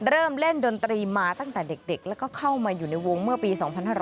เล่นดนตรีมาตั้งแต่เด็กแล้วก็เข้ามาอยู่ในวงเมื่อปี๒๕๕๙